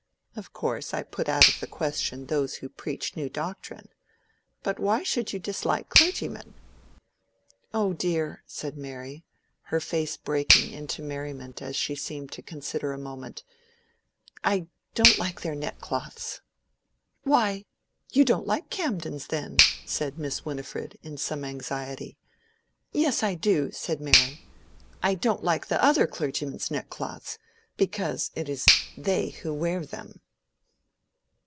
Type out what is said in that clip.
Of course I put out of the question those who preach new doctrine. But why should you dislike clergymen?" "Oh dear," said Mary, her face breaking into merriment as she seemed to consider a moment, "I don't like their neckcloths." "Why, you don't like Camden's, then," said Miss Winifred, in some anxiety. "Yes, I do," said Mary. "I don't like the other clergymen's neckcloths, because it is they who wear them."